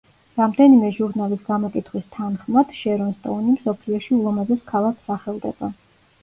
რამდენიმე ჟურნალის გამოკითხვის თანხმად, შერონ სტოუნი მსოფლიოში ულამაზეს ქალად სახელდება.